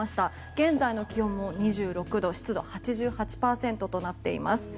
現在の気温も２６度湿度８８％となっています。